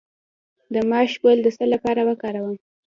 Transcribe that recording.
د ماش ګل د څه لپاره وکاروم؟